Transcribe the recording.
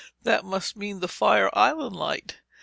That must mean the Fire Island Light!